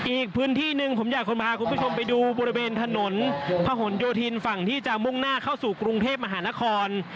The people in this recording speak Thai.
อีกพื้นที่หนึ่งผมอยากจะพาคุณผู้ชมไปดูบริเวณถนนพะหนโยธินฝั่งที่จะมุ่งหน้าเข้าสู่กรุงเทพมหานคร